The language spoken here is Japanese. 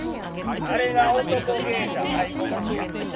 「あれが男芸者太鼓持ちや」。